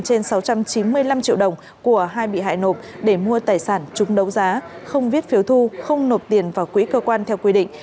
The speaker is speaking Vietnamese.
trên sáu trăm chín mươi năm triệu đồng của hai bị hại nộp để mua tài sản chung đấu giá không viết phiếu thu không nộp tiền vào quỹ cơ quan theo quy định